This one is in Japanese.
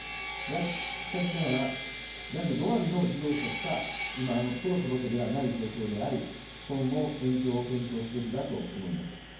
しかしながら、約５割の事業者しか今のところ届け出がない状況であり、今後、延長を検討すべきだと思います。